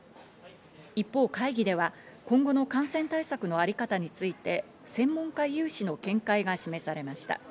一方、会議では今後の感染対策のあり方について、専門家有志の見解が示されました。